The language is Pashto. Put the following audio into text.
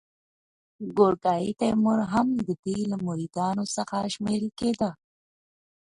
ګورکاني تیمور هم د ده له مریدانو څخه شمیرل کېده.